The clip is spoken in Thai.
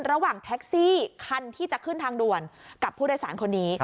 ระหว่างแท็กซี่คันที่จะขึ้นทางด่วนกับผู้โดยสารคนนี้